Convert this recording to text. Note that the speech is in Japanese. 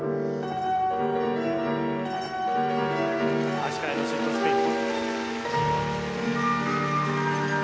足換えのシットスピン。